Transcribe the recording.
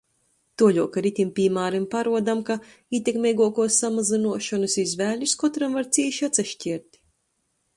Tuoļuok ar itim pīmārim paruodom, ka ītekmeiguokuos samazynuošonys izvēlis kotram var cīši atsaškiert.